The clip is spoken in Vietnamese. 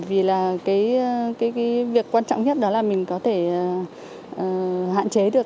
vì là cái việc quan trọng nhất đó là mình có thể hạn chế được